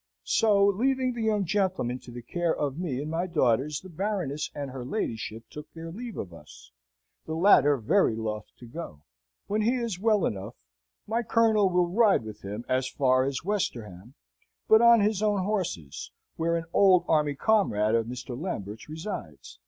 So, leaving the young gentleman to the care of me and my daughters, the Baroness and her ladyship took their leave of us, the latter very loth to go. When he is well enough, my Colonel will ride with him as far as Westerham, but on his own horses, where an old army comrade of Mr. Lambert's resides.